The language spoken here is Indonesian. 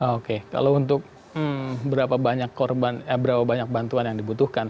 oke kalau untuk berapa banyak korban berapa banyak bantuan yang dibutuhkan